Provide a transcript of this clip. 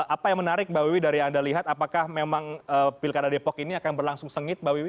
apa yang menarik mbak wiwi dari yang anda lihat apakah memang pilkada depok ini akan berlangsung sengit mbak wiwi